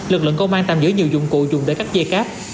lực lượng công an tạm giữ nhiều dụng cụ dùng để cắt dây cáp